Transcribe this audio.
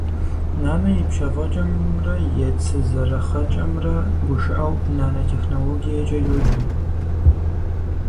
Нанэ и пщафӏэкӏэмрэ и цы зэрыхъэкӏэмрэ гушыӏэу «нанэтехнологиекӏэ» йоджэ.